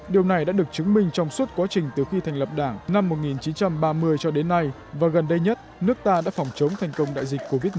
điều này đã được chứng minh trong suốt quá trình từ khi thành lập đảng năm một nghìn chín trăm ba mươi cho đến nay và gần đây nhất nước ta đã phòng chống thành công đại dịch covid một mươi chín